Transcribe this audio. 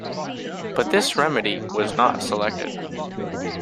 But, this remedy was not selected.